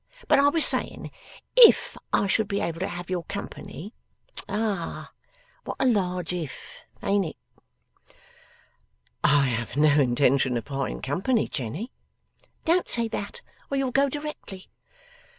But I was saying If I should be able to have your company. Ah! What a large If! Ain't it?' 'I have no intention of parting company, Jenny.' 'Don't say that, or you'll go directly.